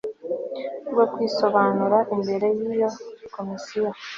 bwo kwisobanura imbere y iyo komisiyo